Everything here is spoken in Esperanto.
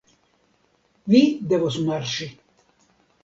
Vi devos marŝi.